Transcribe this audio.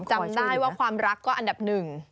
จำได้ว่าความรักก็อันดับหนึ่ง